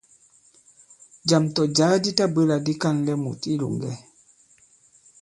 Jàm tɔ̀ jǎ di tabwě là di ka᷇nlɛ mùt i ilòŋgɛ.